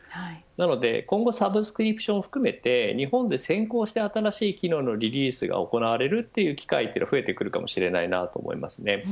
なので今後サブスクリプションを含めて日本で先行して新しい機能のリリースが行われる機会が増えるかもしれないと思います。